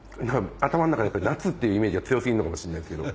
頭の中で夏っていうイメージが強過ぎるのかもしれないですけど。